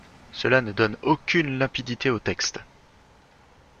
Cela ne donne aucune limpidité au texte.